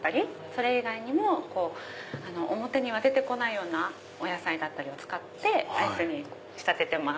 それ以外にも表には出てこないようなお野菜だったりを使ってアイスに仕立ててます。